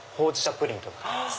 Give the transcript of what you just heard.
プリンとなってます。